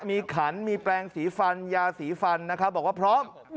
มีขันมีแปลงสีฟันยาสีฟันนะครับบอกว่าพร้อม